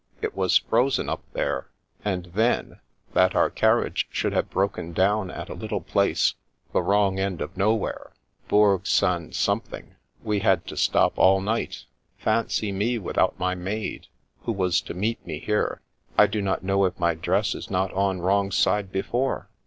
It was frozen up there. And then, that our carriage should have broken down at a little place — ^the wrong end of nowhere — ^Bourg St. Something! We had to stop all night. Fancy me without my maid, who was to meet me here. I do not know if my dress is not on wrong side before.